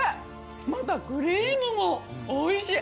またクリームもおいしい！